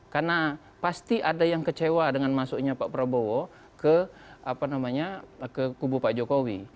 karena pasti ada yang kecewa dengan masuknya pak prabowo ke kubu pak jokowi